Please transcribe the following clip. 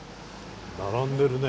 並んでるね。